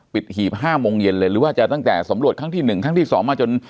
หีบ๕โมงเย็นเลยหรือว่าจะตั้งแต่สำรวจครั้งที่๑ครั้งที่๒มาจน